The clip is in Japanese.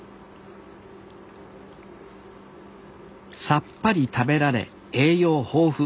さっぱり食べられ栄養豊富。